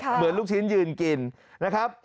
ค่ะเหมือนลูกชิ้นยืนกินนะครับ